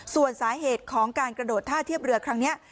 ส่วนสาเหตุของการกระโดดท่าเทียบเรือครั้งนี้